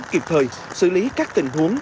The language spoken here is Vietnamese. kịp thời xử lý các tình huống